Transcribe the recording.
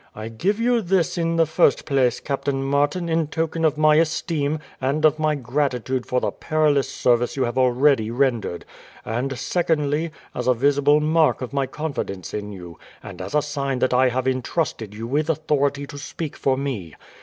"I give you this in the first place, Captain Martin, in token of my esteem and of my gratitude for the perilous service you have already rendered; and secondly, as a visible mark of my confidence in you, and as a sign that I have intrusted you with authority to speak for me.